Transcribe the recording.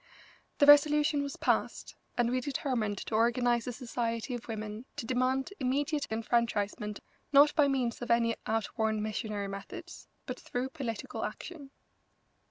The resolution was passed, and we determined to organise a society of women to demand immediate enfranchisement, not by means of any outworn missionary methods, but through political action.